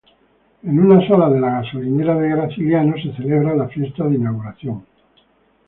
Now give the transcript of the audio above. En una sala de la gasolinera de Graciliano, se celebra la fiesta de inauguración.